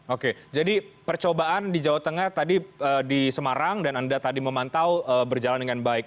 oke jadi percobaan di jawa tengah tadi di semarang dan anda tadi memantau berjalan dengan baik